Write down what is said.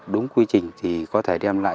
đúng quy trình thì có thể đem lại